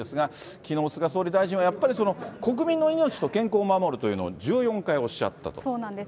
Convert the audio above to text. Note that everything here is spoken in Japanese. きのう菅総理大臣はやっぱり国民の命と健康を守るというのを１４そうなんです。